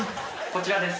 こちらです！